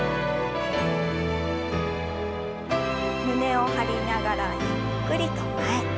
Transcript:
胸を張りながらゆっくりと前。